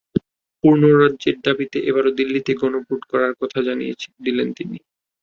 পূর্ণ রাজ্যের দাবিতে এবার দিল্লিতেও গণভোট করার কথা তিনি জানিয়ে দিলেন।